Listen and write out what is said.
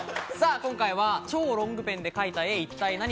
今回は「超ロングペンで描いた絵一体ナニ！？」